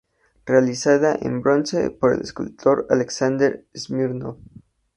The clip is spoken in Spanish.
Realizada en bronce por el escultor Alexander Smirnov.